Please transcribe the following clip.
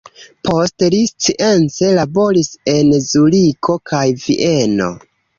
Poste li science laboris en Zuriko kaj Vieno.